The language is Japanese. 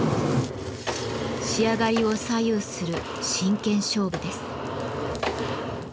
仕上がりを左右する真剣勝負です。